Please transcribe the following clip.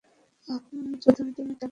প্রথমে তুমি কাকে অগ্রাধিকার দিবে?